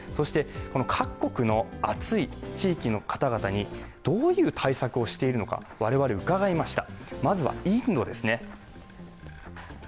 この各国の暑い地域の方々にどういう対策をしているのか我々、伺いました。